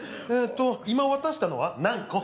「えと今渡したのは何個？」。